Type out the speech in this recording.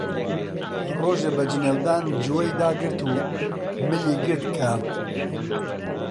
ڕۆژێ بە جنێودان جووەی داگرت و ملی گرت کە: